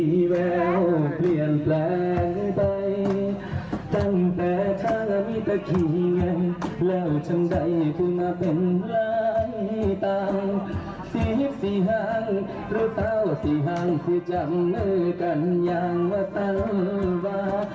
สิบสี่ห้างหรือเปล่าสี่ห้างที่จำเหมือนกันอย่างว่าตั้งว่า